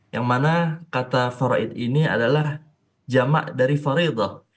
yang mana kata faroid ini adalah jamak dari faredoh